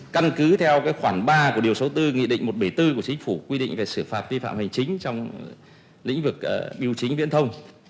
căn cứ theo khoảng ba của điều số bốn nghị định một trăm bảy mươi bốn của chính phủ quy định về xử phạt vi phạm hành chính trong lĩnh vực biểu chính viễn thông